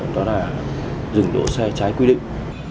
đó là dừng đỗ xe trái quy định